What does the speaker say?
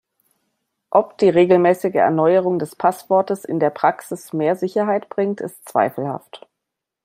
Ob die regelmäßige Erneuerung des Passwortes in der Praxis mehr Sicherheit bringt, ist zweifelhaft.